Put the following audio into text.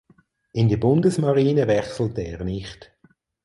In die Bundesmarine wechselte er nicht.